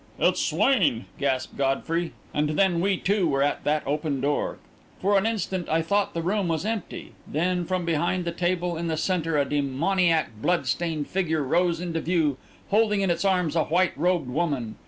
"It's Swain!" gasped Godfrey; and then we, too, were at that open door. For an instant, I thought the room was empty. Then, from behind the table in the centre, a demoniac, blood stained figure rose into view, holding in its arms a white robed woman.